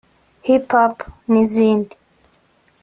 Hiphop n’izindi